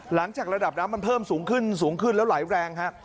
หลังจากระดับน้ำมันเพิ่มสูงขึ้นสูงขึ้นแล้วไหลแรงฮะ